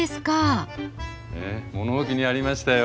えっ物置にありましたよ。